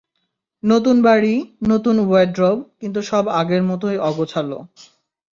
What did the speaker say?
নতুন বাড়ি, নতুন ওয়্যারড্রোব, কিন্তু সব আগের মতই অগোছালো।